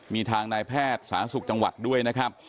มีทางนายแพทย์สาธารณสุขจังหวัดด้วยนะครับ